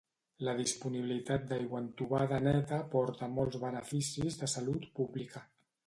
La disponibilitat d'aigua entubada neta porta molts beneficis de salut pública.